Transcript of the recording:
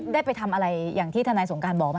ได้ไปทำอะไรอย่างที่ทนายสงการบอกไหม